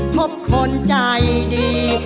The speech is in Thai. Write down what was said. พบคนใจดี